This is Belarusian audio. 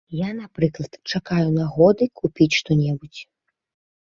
Я, напрыклад, чакаю нагоды купіць што-небудзь.